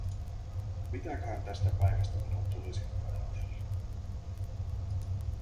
Mitäköhän tästäkin päivästä minun tulisi ajatella?